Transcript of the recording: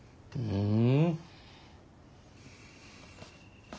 うん！